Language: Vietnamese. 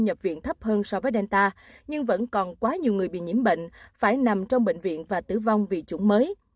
nhập viện thấp hơn so với delta nhưng vẫn còn quá nhiều người bị nhiễm bệnh phải nằm trong bệnh viện và tử vong vì chủng mới